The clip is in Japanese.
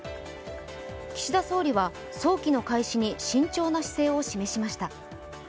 岸田総理は、早期の開始に慎重な姿勢を示しました。